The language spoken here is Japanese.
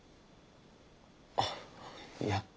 あっいや。